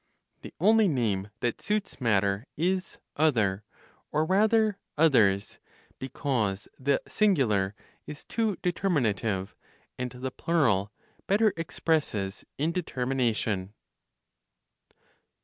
The only name that suits matter is "other," or rather, "others," because the singular is too determinative, and the plural better expresses indetermination.